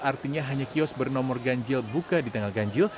artinya hanya kiosk bernomor ganjil buka di tengah ganjil